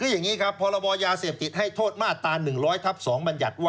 อย่างนี้พอละบอลยาเสพติดให้โทษมาตรา๑๐๐ทัพ๒บรรยัด